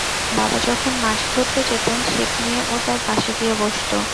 বাবা যখন মাছ ধরতে যেতেন ছিপ নিয়ে ও তাঁর পাশে গিয়ে বসত।